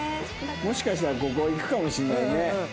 もしかしたらここいくかもしれないね。